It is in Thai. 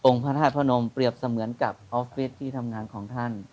พระธาตุพระนมเปรียบเสมือนกับออฟฟิศที่ทำงานของท่าน